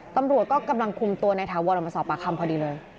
ตำรวจก็กำลังคุมตัวนายถาวรออกมาสอบปากคำพอดีเลย